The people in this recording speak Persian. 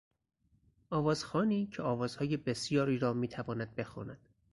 آوازخوانی که آوازهای بسیاری را میتواند بخواند